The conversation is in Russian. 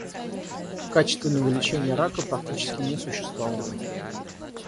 Качественного лечения рака практически не существовало.